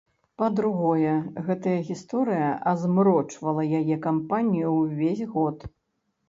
Па-другое, гэтая гісторыя азмрочвала яе кампанію ўвесь год.